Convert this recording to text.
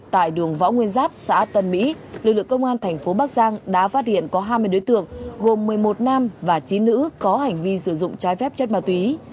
tại đường võ nguyên giáp xã tân mỹ lực lượng công an thành phố bắc giang đã phát hiện có hai mươi đối tượng gồm một mươi một nam và chín nữ có hành vi sử dụng trái phép chất ma túy